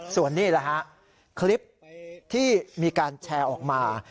ส่วนนี้แหละฮะคลิปที่มีการแชร์ออกมา